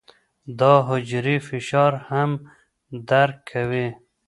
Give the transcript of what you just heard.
دا حجرې فشار هم درک کوي.